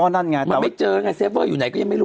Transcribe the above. มันไม่เจอไงเซเฟอร์อยู่ไหนก็ยังไม่รู้